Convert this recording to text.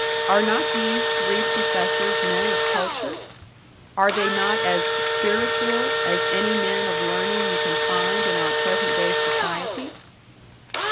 Are not these three professors men of culture? Are they not as "spiritual" as any men of learning you can find in our present day society?